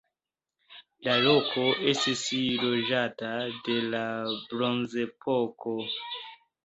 La loko estis loĝata de la bronzepoko.